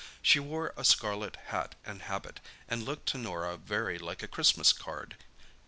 She wore a scarlet hat and habit, and looked to Norah very like a Christmas card.